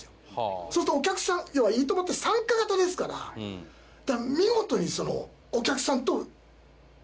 そうするとお客さん要は『いいとも！』って参加型ですからだから見事にその。